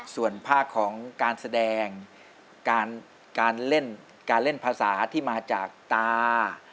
ส่วนภาคของการแสดงการเล่นการเล่นภาษาที่มาจากตา